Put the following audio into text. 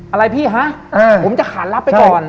อะไรพี่ฮะผมจะขานรับไปก่อน